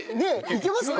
いけますか？